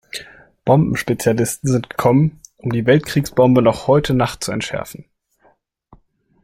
Bombenspezialisten sind gekommen, um die Weltkriegsbombe noch heute Nacht zu entschärfen.